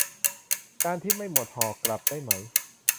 จานที่ไม่หมดห่อกลับได้ไหม